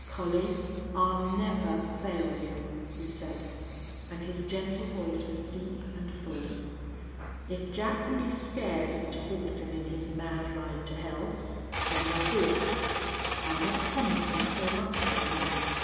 "Collie, I'll never fail you," he said, and his gentle voice was deep and full. "If Jack can be scared into haltin' in his mad ride to hell then I'll do it. I'm not promisin' so much for him.